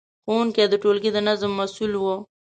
ښوونکي د ټولګي د نظم مسؤل وو.